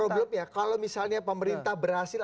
problemnya kalau misalnya pemerintah berhasil